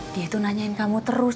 dia itu nanyain kamu terus